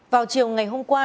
vào chiều ngày hôm qua